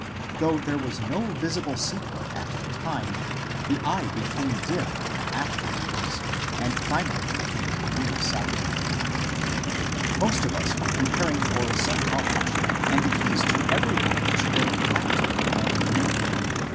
Though there was no visible sequel at the time, the eye became dim in after years, and finally became near^«ighted. 36 MONCURE DANIEL CONWAY Most of US were preparing for some college, and the keys to every college were Latin and Greek.